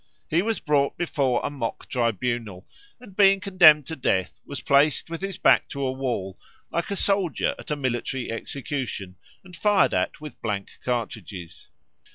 He was brought before a mock tribunal, and being condemned to death was placed with his back to a wall, like a soldier at a military execution, and fired at with blank cartridges.